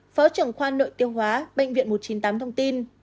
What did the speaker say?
phó trưởng khoa nội tiêu hóa bệnh viện một trăm chín mươi tám thông tin